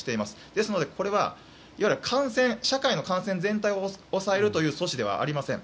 ですので、いわゆる社会の感染全体を抑えるという措置ではありません。